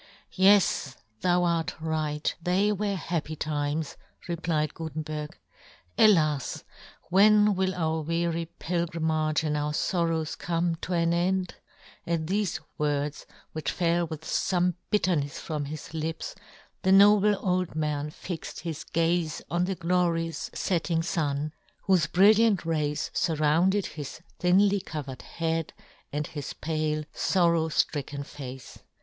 " Yes, thou art right ; they were " happy times," replied Gutenberg. " Alas ! when will our weary pil " grimage and our forrows come to " an end ?" At thefe words, which fell with fome bitternefs from his lips, the noble old man fixed his gaze on the glorious fetting fun, whofe brilliant rays furrounded his thinly covered head, and his pale forrow ftricken face.